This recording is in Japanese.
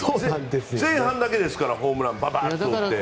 前半だけですからホームランババーンと打って。